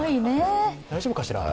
大丈夫かしら。